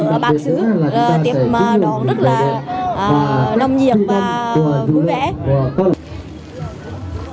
nông nhiệt và vui vẻ